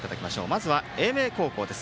まずは英明高校です。